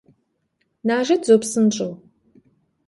Нажэт, зо, псынщӏэу…